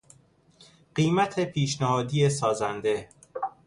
قیمت پیشنهادی سازنده